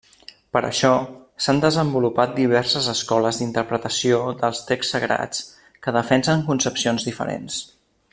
Per això s'han desenvolupat diverses escoles d'interpretació dels texts sagrats que defensen concepcions diferents.